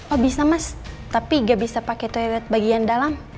oh bisa mas tapi gak bisa pakai toilet bagian dalam